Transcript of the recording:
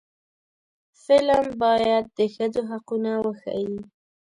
فلم باید د ښځو حقونه وښيي